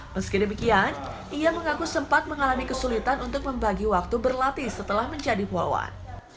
meski demikian ia mengaku sempat mengalami kesulitan untuk membagi waktu berlatih setelah menjadi polawan